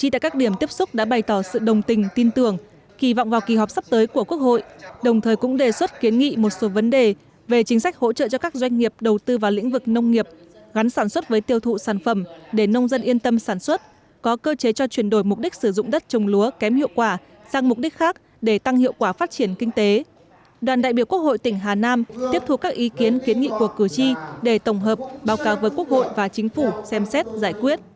tại các điểm tiếp xúc đại diện đoàn đại biểu quốc hội tỉnh hà nam đã thông báo dự kiến nội dung chương trình kỳ họp thứ sáu quốc hội khóa một mươi bốn hôm nay đoàn đại biểu quốc hội tỉnh hà nam đã thông báo dự kiến nội dung chương trình kỳ họp thứ sáu quốc hội khóa một mươi bốn